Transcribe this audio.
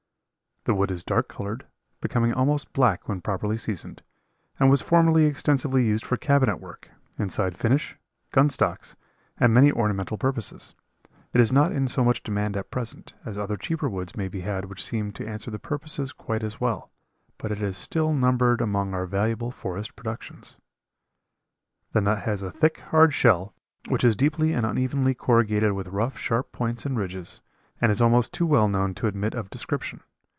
The wood is dark colored, becoming almost black when properly seasoned, and was formerly extensively used for cabinet work, inside finish, gun stocks, and many ornamental purposes; it is not in so much demand at present, as other cheaper woods may be had which seem to answer the purposes quite as well, but it is still numbered among our valuable forest productions. The nut has a thick, hard shell, which is deeply and unevenly corrugated with rough, sharp points and ridges, and is almost too well known to admit of description.